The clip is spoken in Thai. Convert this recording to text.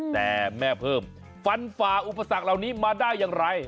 แต่แม่เพิ่มฟันฝ่าอุปสรรคเหล่านี้มาได้อย่างไร